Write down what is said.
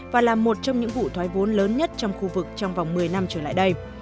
và là một trong những vụ thoái vốn lớn nhất trong khu vực trong vòng một mươi năm trở lại đây